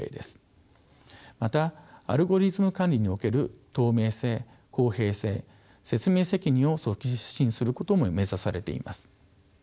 またアルゴリズム管理における透明性公平性説明責任を促進することも目指されています。